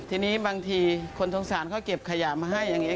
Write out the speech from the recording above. ทีนี้บางทีคนสงสารเขาเก็บขยะมาให้อย่างนี้